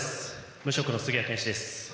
無職の杉谷拳士です。